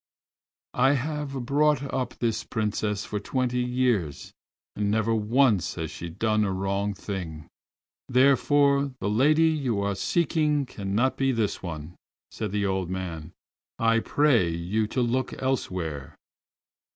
"I have brought up this Princess for twenty years and never once has she done a wrong thing, therefore the lady you are seeking cannot be this one," said the old man. "I pray you to look elsewhere."